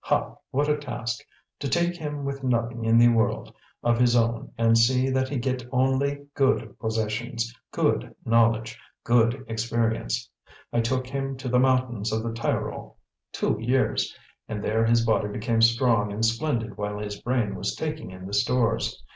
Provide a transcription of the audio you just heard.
Ha, what a task! To take him with nothing in the world of his own and see that he get only GOOD possessions, GOOD knowledge, GOOD experience! I took him to the mountains of the Tyrol two years and there his body became strong and splendid while his brain was taking in the stores.